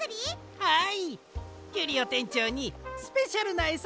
はい。